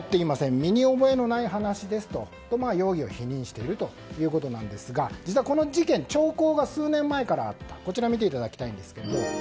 身に覚えのない話ですと容疑を否認しているということなんですが実はこの事件の兆候が数年前からあった。